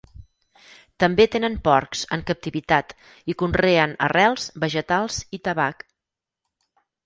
També tenen porcs en captivitat i conreen arrels, vegetals i tabac.